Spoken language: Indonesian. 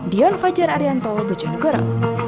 diyan fajar arianto bojonegoro